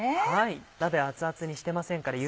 鍋熱々にしてませんから。